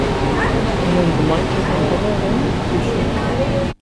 Nnan-d Mike atan d amuḍin deg wusu.